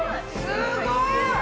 すごい！